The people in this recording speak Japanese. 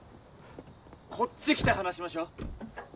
こっち来て話しましょう。